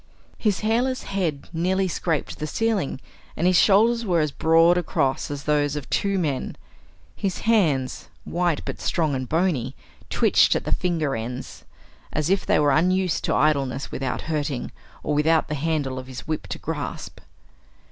His hairless head nearly scraped the ceiling, and his shoulders were as broad across as those of two men. His hands, white but strong and bony, twitched at the finger ends as if they were unused to idleness without hurting, or without the handle of his whip to grasp.